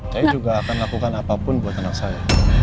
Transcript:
saya juga akan lakukan apapun buat anak saya